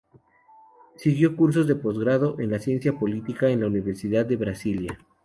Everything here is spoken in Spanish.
Siguió cursos de postgrado en ciencia política en la Universidad de Brasilia.